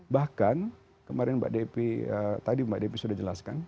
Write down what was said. bahkan kemarin mbak depi tadi mbak devi sudah jelaskan